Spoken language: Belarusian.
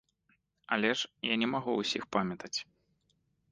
Але ж я не магу ўсіх памятаць.